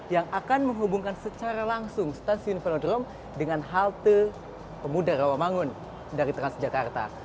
yang akan menghubungkan secara langsung stasiun velodrome dengan halte pemuda rawamangun dari transjakarta